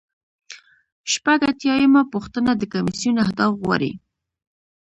شپږ اتیا یمه پوښتنه د کمیسیون اهداف غواړي.